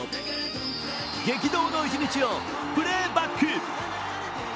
激動の一日をプレーバック。